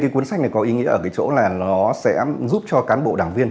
cuốn sách này có ý nghĩa ở chỗ là nó sẽ giúp cho cán bộ đảng viên